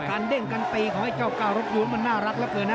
การเด้งกันตีของเจ้ากากรรทยูนมันน่ารักแล้วก็นะ